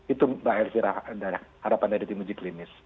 itu mbak elvira harapan dari tim uji klinis